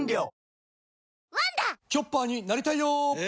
チョッパーになりたいよえ？